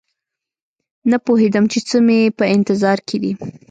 نه پوهېدم چې څه مې په انتظار کې دي